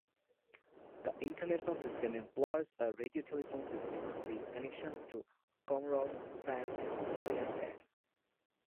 The international system employs a radiotelephone system, with connections to Comoros, France and Madagascar.